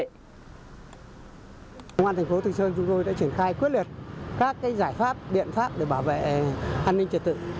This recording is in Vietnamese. công an thành phố từ sơn chúng tôi đã triển khai quyết liệt các giải pháp biện pháp để bảo vệ an ninh trật tự